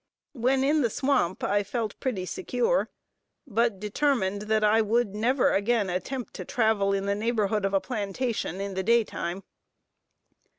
When in the swamp, I felt pretty secure, but determined that I would never again attempt to travel in the neighborhood of a plantation in the daytime.